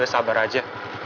udah sabar aja